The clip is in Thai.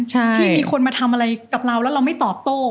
ใช่ที่มีคนมาทำอะไรกับเราแล้วเราไม่ตอบโต้